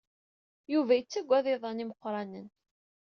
Yuba yettagad iḍan imeqranen.